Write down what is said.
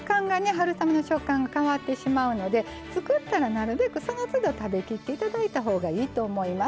春雨の食感が変わってしまうので作ったらなるべくそのつど食べきっていただいたほうがいいと思います。